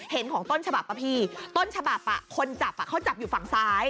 เห็นของต้นฉบับป่ะพี่ต้นฉบับคนจับเขาจับอยู่ฝั่งซ้าย